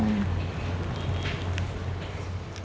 dia khawatir sama rena